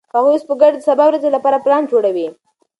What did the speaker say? هغوی اوس په ګډه د سبا ورځې لپاره پلان جوړوي.